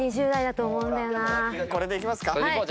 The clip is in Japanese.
これでいきますか。